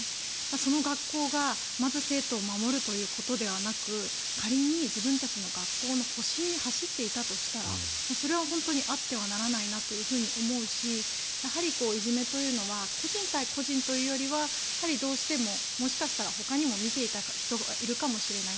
その学校がまず生徒を守るということではなく仮に自分たちの学校の保身に走っていたとしたらそれは本当にあってはならないなと思うしやはり、いじめというのは個人対個人というよりはやはりどうしてももしかしたらほかにも見ていた人がいるかもしれない。